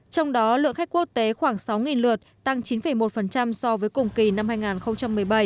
trong đó lượng khách quốc tế khoảng sáu lượt tăng chín một so với cùng kỳ năm hai nghìn một mươi bảy